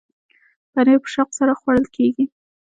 پنېر په شوق سره خوړل کېږي.